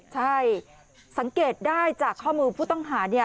ใช่สังเกตได้จากข้อมือผู้ต้องหา